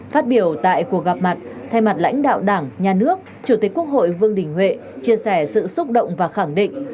phát biểu tại cuộc gặp mặt thay mặt lãnh đạo đảng nhà nước chủ tịch quốc hội vương đình huệ chia sẻ sự xúc động và khẳng định